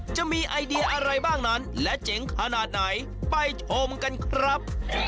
จะมีไอเดียอะไรบ้างนั้นและเจ๋งขนาดไหนไปชมกันครับ